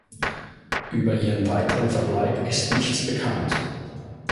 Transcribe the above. Über ihren weiteren Verbleib ist nichts bekannt.